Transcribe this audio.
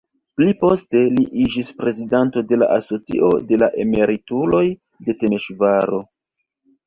Pli poste li iĝis prezidanto de la asocio de la emerituloj de Temeŝvaro.